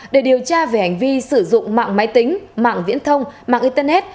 để điều tra về hành vi sử dụng mạng máy tính mạng viễn thông mạng internet